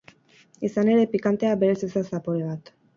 Izan ere, pikantea, berez ez da zapore bat.